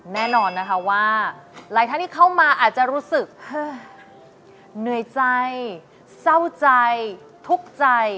แน่นอนนะคะว่าหลายท่านที่เข้ามาอาจจะรู้สึกเหนื่อยใจเศร้าใจทุกข์ใจ